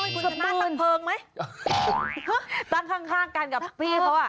คุณทะมันปักเพิงไหมตั้งข้างกันกับพี่เขาอะ